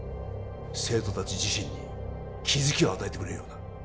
生徒達自身に気づきを与えてくれるような